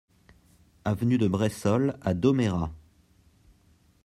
Avenue de Bressolles à Domérat